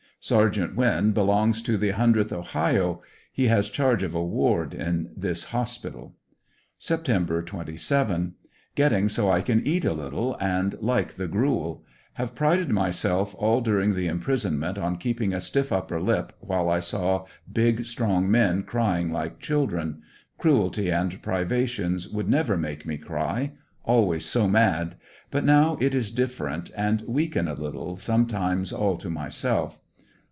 Ser t. Winn belongs to the lOOth Ohio; he has charge of a ward in this hospital. Sept. 27. — Getting so I can eat a little and like the gruel Have prided myself all during the imprisonment on keeping a stiff upper lip while I saw big strong men crying like children ; cruelty and privations would never make me cry — always so mad, but now it is differen. and weaken a little sometimes all to myself.